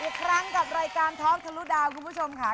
อีกครั้งกับรายการท็อกทะลุดาวคุณผู้ชมค่ะ